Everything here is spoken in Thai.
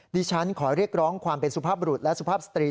ดิฉันขอเรียกร้องความเป็นสุภาพบรุษและสุภาพสตรี